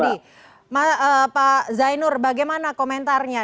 baik pak syudi pak zainur bagaimana komentarnya